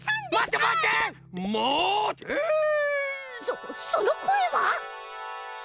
そそのこえは！